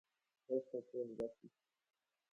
سیروان هێشتا نازانێت چی بکات.